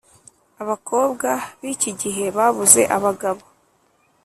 Abakobwa bikigihe babuze abagabo